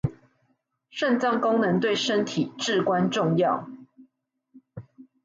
腎臟功能對身體至關重要